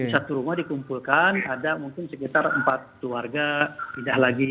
di satu rumah dikumpulkan ada mungkin sekitar empat keluarga pindah lagi